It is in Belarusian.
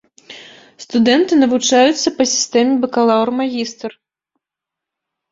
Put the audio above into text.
Студэнты навучаюцца па сістэме бакалаўр-магістр.